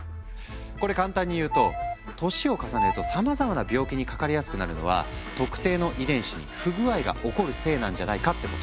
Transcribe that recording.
これ簡単に言うと年を重ねるとさまざまな病気にかかりやすくなるのは特定の遺伝子に不具合が起こるせいなんじゃないかってこと。